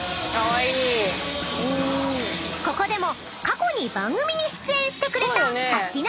［ここでも過去に番組に出演してくれたサスティな！